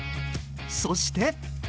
そして。